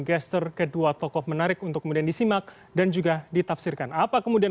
gester kedua tokoh menarik untuk kemudian disimak dan juga ditafsirkan apa kemudian